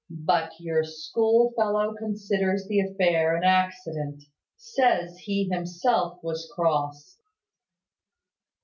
"But your school fellow considers the affair an accident, says he himself was cross."